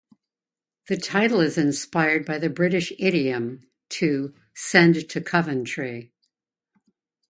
The title is inspired by the British idiom, to "Send to Coventry".